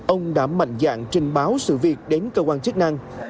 ông đã mạnh dạng trình báo sự việc đến cơ quan chức năng